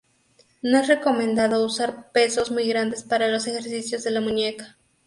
No es recomendado usar pesos muy grandes para los ejercicios de la muñeca.